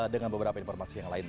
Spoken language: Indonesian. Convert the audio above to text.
dengan beberapa informasi yang lain